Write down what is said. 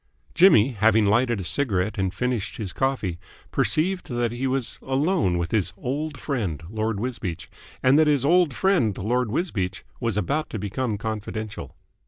Jimmy, having lighted a cigarette and finished his coffee, perceived that he was alone with his old friend, Lord Wisbeach, and that his old friend Lord Wisbeach was about to become confidential.